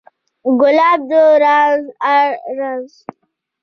ګلاب د رازونو خزانې ده.